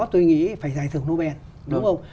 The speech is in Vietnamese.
tôi nghĩ phải giải thưởng nobel đúng không